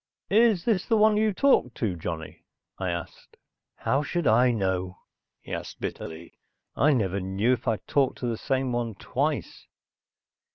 "Is this the one you talked to, Johnny?" I asked. "How should I know?" he asked bitterly. "I never knew if I talked to the same one twice."